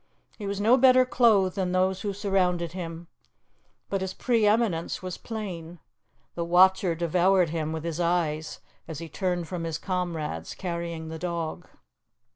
He was no better clothed than those who surrounded him, but his pre eminence was plain. The watcher devoured him with his eyes as he turned from his comrades, carrying the dog.